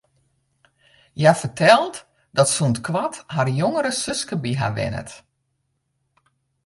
Hja fertelt dat sûnt koart har jongere suske by har wennet.